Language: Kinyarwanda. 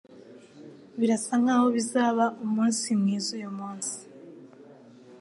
Birasa nkaho bizaba umunsi mwiza uyumunsi.